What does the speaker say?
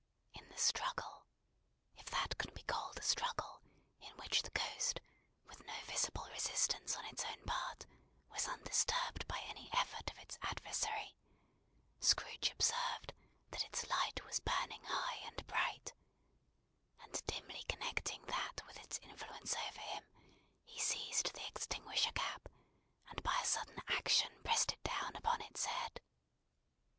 In the struggle, if that can be called a struggle in which the Ghost with no visible resistance on its own part was undisturbed by any effort of its adversary, Scrooge observed that its light was burning high and bright; and dimly connecting that with its influence over him, he seized the extinguisher cap, and by a sudden action pressed it down upon its head.